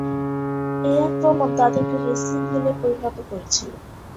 এই আক্রমণ তাদেরকে রেসলিং হিলে পরিণত করেছিল।